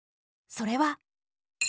それは。